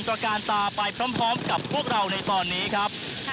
ระการตาไปพร้อมกับพวกเราในตอนนี้ครับ